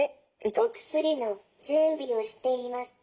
「お薬の準備をしています。